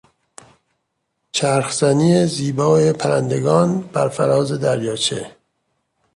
چرخزنی زیبای پرندگان بر فراز دریاچه